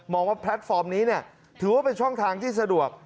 ว่าแพลตฟอร์มนี้ถือว่าเป็นช่องทางที่สะดวก